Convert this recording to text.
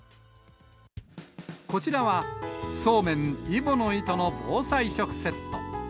こちらは、そうめん揖保乃糸の防災食セット。